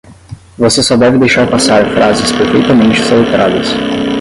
Você só deve deixar passar frases perfeitamente soletradas.